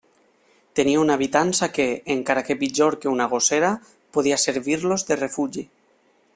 Tenia una habitança que, encara que pitjor que una gossera, podia servir-los de refugi.